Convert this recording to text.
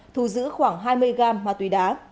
thu giữ khoảng hai mươi gram ma túy đá